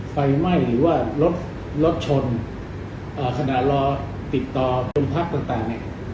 ไฟไหม้หรือว่ารถชนขณะรอติดต่อโรงพักต่างเนี่ย